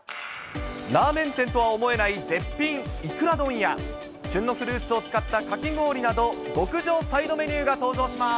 ラーメン店とは思えない絶品いくら丼や、旬のフルーツを使ったかき氷など、極上サイドメニューが登場します。